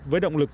với động lực